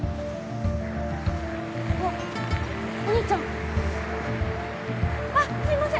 あッお兄ちゃんすいません